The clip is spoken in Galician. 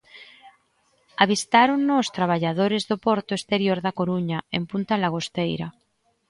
Avistárono os traballadores do porto exterior da Coruña, en Punta Langosteira.